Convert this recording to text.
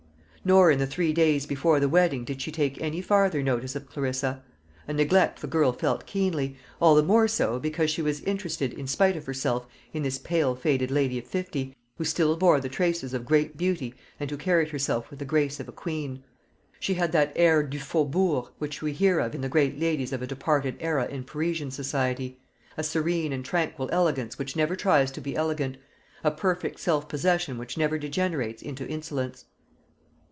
Nor in the three days before the wedding did she take any farther notice of Clarissa; a neglect the girl felt keenly; all the more so because she was interested in spite of herself in this pale faded lady of fifty, who still bore the traces of great beauty and who carried herself with the grace of a queen. She had that air du faubourg which we hear of in the great ladies of a departed era in Parisian society, a serene and tranquil elegance which never tries to be elegant, a perfect self possession which never degenerates into insolence.